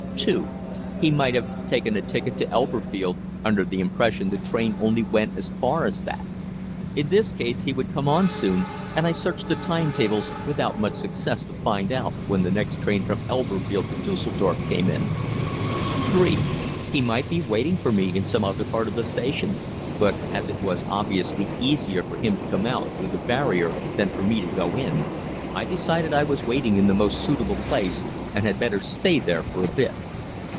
(2) He might have taken a ticket to Elberfeld, under the impression the train only went as far as that. In this case he would come on soon, and I searched the time tables without much success to find out when the next train from Elberfeld to Düsseldorf came in. (3) He might be waiting for me in some other part of the station, but as it was obviously easier for him to come out through the barrier than for me to go in, I decided that I was waiting in the most suitable place and had better stay there for a bit.